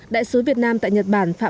đại sứ việt nam tại nhật bản phạm kim